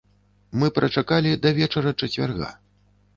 Мы прачакалі да вечара чацвярга.